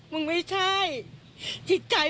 มึงไม่ใช่